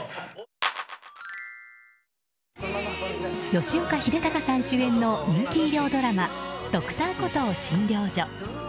吉岡秀隆さんが主演の人気医療ドラマ「Ｄｒ．コトー診療所」。